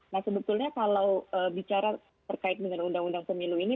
nah sebetulnya kalau bicara terkait dengan undang undang pemilu ini